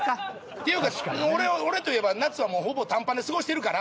っていうか俺は俺といえば夏はもうほぼ短パンで過ごしてるから。